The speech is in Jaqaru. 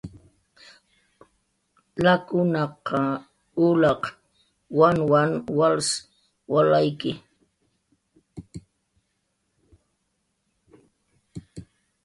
"Lakunat"" ulaq wanwan wals walayki"